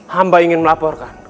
hamba ingin melaporkan